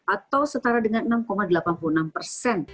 atau setara dengan enam delapan puluh enam persen